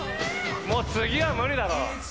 もう次は無理だろ。